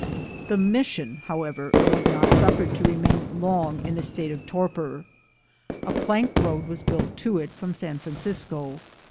The "Mission," however, was not suffered to re main long in a state of torpor. A plank road was LIFE AT HIGH SPEED 97 built to it from San Francisco.